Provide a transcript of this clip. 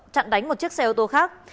chặn đánh một chiếc xe ô tô khác